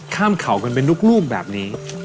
ข้ามเขากลบกลมเป็นลูกแบบนี้